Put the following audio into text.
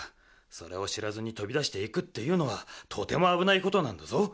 それをしらずにとびだしていくっていうのはとてもあぶないことなんだぞ。